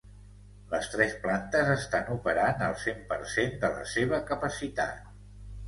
Les tres plantes estan operant al cent per cent de la seva capacitat.